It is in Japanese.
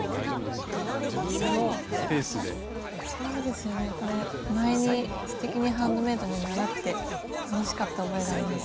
そうですよねこれ前に「すてきにハンドメイド」で習って楽しかった覚えがあります